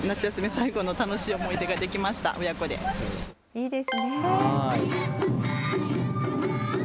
いいですね。